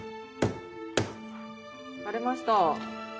割れました。